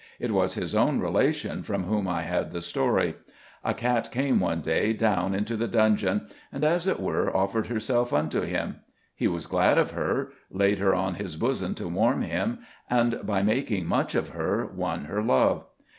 It was his own relation from whom I had the story. A cat came one day down into the dungeon, and, as it were, offered herself unto him. He was glad of her, laid her on his bosom to warm him, and, by making much of her, won her love.